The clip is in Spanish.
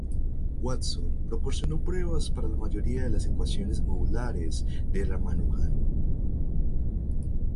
Watson proporcionó pruebas para la mayoría de las ecuaciones modulares de Ramanujan.